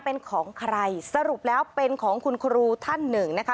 เป็นของใครสรุปแล้วเป็นของคุณครูท่านหนึ่งนะคะ